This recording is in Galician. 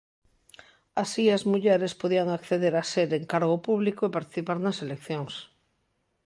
Así as mulleres podían acceder a seren cargo público e participar nas eleccións.